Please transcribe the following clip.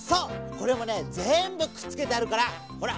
これもねぜんぶくっつけてあるからほら！